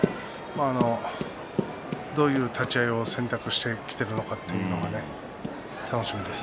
どういう立ち合いを選択してきているのかというのも楽しみです。